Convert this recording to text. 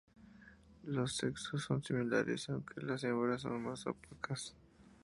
Los sexos son similares, aunque las hembras son más opacas.